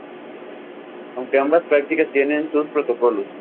Aunque ambas prácticas tienen sus protocolos.